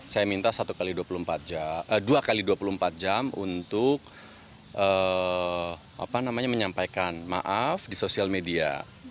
saya minta satu x dua x dua puluh empat jam untuk menyampaikan maaf di sosial media